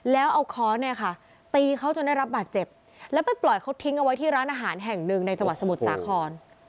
แล้วเอาค้อนเนี่ยค่ะตีเขาจนได้รับบาดเจ็บแล้วไปปล่อยเขาทิ้งเอาไว้ที่ร้านอาหารแห่งหนึ่งในจังหวัดสมุทรสาคร